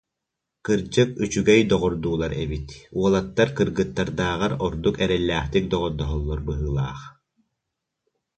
Кырдьык, үчүгэй доҕордуулар эбит, уолаттар кыргыттардааҕар ордук эрэллээхтик доҕордоһоллор быһыылаах